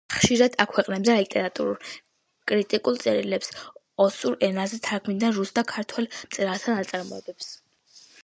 ხშირად აქვეყნებდა ლიტერატურულ-კრიტიკულ წერილებს, ოსურ ენაზე თარგმნიდა რუს და ქართველ მწერალთა ნაწარმოებებს.